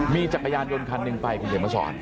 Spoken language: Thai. มีจักรยานยนต์คันหนึ่งไปคุณเขียนมาสอน